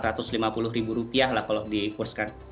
jadi itu adalah harga yang paling murah kalau dikursikan